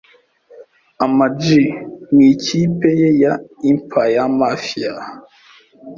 Ama G mu ikipe ye ya Empire Mafia